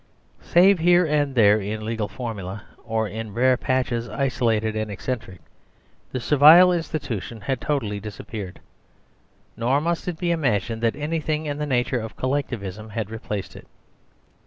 Save here and there in legal formulae, or in rare patches isolated and eccentric, the Servile Institution had totally disappeared; normust it be imagined that anything in the nature of Collectivism had replaced it.